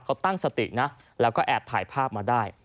เขาตั้งสตินะแล้วก็แอบถ่ายภาพมาได้